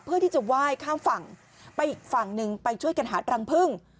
เพื่อที่จะไหว้ข้ามฝั่งไปอีกฝั่งหนึ่งไปช่วยกันหารังพึ่ง